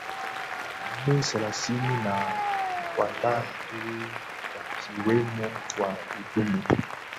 nne thelathini na watatu wakiwemo wahudumu